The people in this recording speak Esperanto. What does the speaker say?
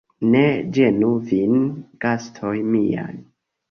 Ne ĝenu vin, gastoj miaj!